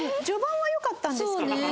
序盤はよかったんですけどね